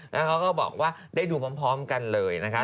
แล้วเขาก็บอกว่าได้ดูพร้อมกันเลยนะคะ